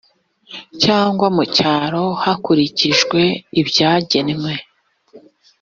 cyangwa mu cyaro hakurikijwe ibyagenwe